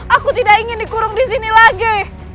aku tidak ingin dikurung disini lagi